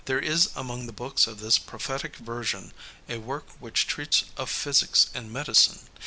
There is among the books of this prophetic virgin a work which treats of physics and medicine.